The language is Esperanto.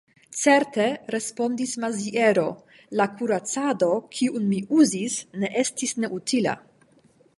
Certe, respondis Maziero, la kuracado, kiun mi uzis, ne estis neutila.